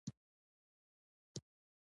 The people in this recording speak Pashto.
خاوره بېکینه مور ده.